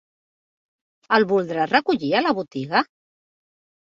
El voldrà recollir a la botiga?